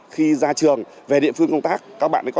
theo phương châm bốn tại chỗ